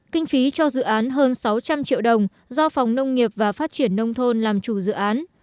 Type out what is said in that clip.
kinh phí cho dự án hơn sáu trăm linh triệu đồng do phòng nông nghiệp và phát triển nông thôn làm chủ dự án